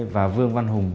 và vương văn hùng